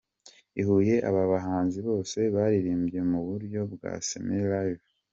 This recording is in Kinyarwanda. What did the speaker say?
I Huye aba bahanzi bose baririmbye mu buryo bwa Semi-Live.